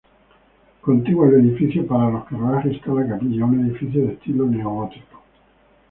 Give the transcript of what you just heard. Contigua al edificio para los carruajes está la capilla, un edificio de estilo neogótico.